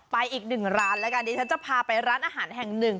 อีกหนึ่งร้านแล้วกันดิฉันจะพาไปร้านอาหารแห่งหนึ่ง